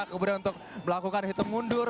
kemudian untuk melakukan hitung mundur